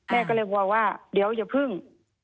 แม่ก็เลยบอกว่าเดี๋ยวอย่าพึ่ง